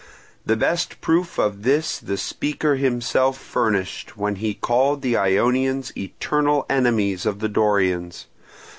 The best proof of this the speaker himself furnished, when he called the Ionians eternal enemies of the Dorians.